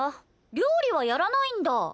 料理はやらないんだ？